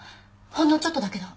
ほんのちょっとだけど。